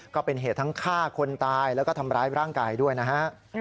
ก็เป็นเหตุทั้งฆ่าคนตายแล้วก็ทำร้ายร่างกายด้วยนะฮะ